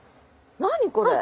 何これ？